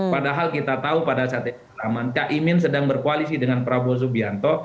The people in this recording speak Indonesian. padahal kita tahu pada saat itu cahaya nusantara sedang berkoalisi dengan prabowo subianto